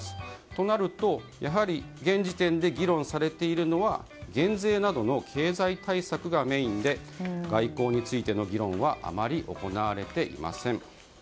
となると現時点で議論されているのは現在などの経済対策がメインで外交についての議論はあまり行われていません。